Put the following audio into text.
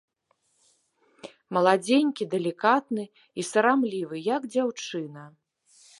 Маладзенькі, далікатны і сарамлівы, як дзяўчына.